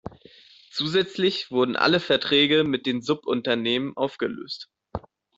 Zusätzlich wurden alle Verträge mit den Subunternehmen aufgelöst.